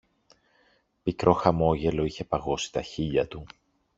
Πικρό χαμόγελο είχε παγώσει τα χείλια του.